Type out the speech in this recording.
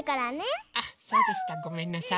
あそうでしたごめんなさい。